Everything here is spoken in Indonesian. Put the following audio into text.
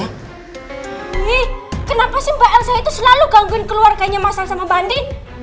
nih kenapa sih mbak elsa itu selalu gangguin keluarganya masal sama mbak andin